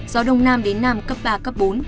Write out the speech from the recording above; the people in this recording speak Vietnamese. gió đông nam đến nam cấp ba cấp bốn